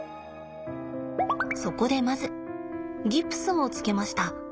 そこでまずギプスをつけました。